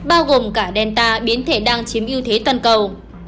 bao gồm cả delta biến thể đang chiếm ưu thế toàn cầu